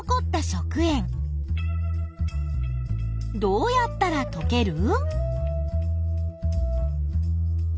どうやったらとける？